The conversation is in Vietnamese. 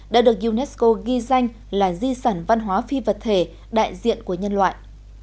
đã được unesco ghi danh là di sản văn hóa phi vật thể đại diện của nhân loại